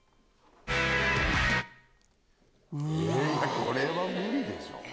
これは無理でしょ。